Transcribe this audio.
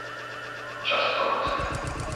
Častkovce